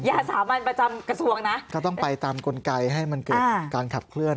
สามัญประจำกระทรวงนะก็ต้องไปตามกลไกให้มันเกิดการขับเคลื่อน